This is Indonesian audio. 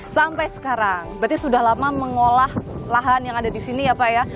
sampai sekarang berarti sudah lama mengolah lahan yang ada di sini ya pak ya